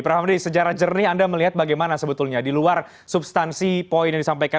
prof hamdi sejarah jernih anda melihat bagaimana sebetulnya di luar substansi poin yang disampaikan